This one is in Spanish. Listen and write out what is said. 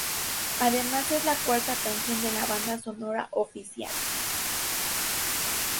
Además es la cuarta canción de la banda sonora oficial.